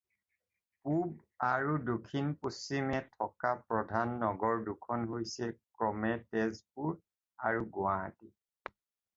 পূব আৰু দক্ষিন পশ্চিমে থকা প্ৰধান নগৰ দুখন হৈছে ক্ৰমে তেজপুৰ আৰু গুৱাহাটী।